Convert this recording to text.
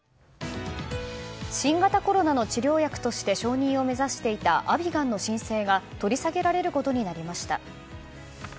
新型コロナの治療薬として承認を目指していたアビガンの申請が取り下げられることになりました。